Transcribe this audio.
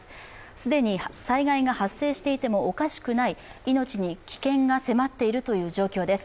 既に災害が発生していてもおかしくない命に危険が迫っている状況です。